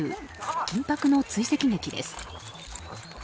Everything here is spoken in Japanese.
緊迫の追跡劇です。